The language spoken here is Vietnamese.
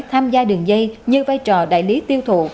tham gia đường dây như vai trò đại lý tiêu thụ